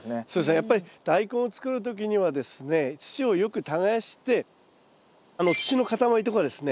やっぱりダイコンを作る時にはですね土をよく耕して土の塊とかですね